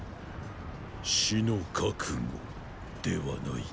死の覚悟ではない。